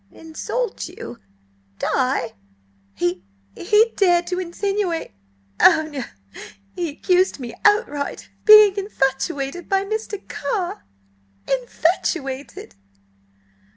"Insult you? Di!" "He–he dared to insinuate–oh no! he accused me outright—of being infatuated by Mr. Carr! Infatuated!"